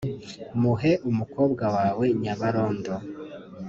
"Muhe umukobwa wawe Nyabarondo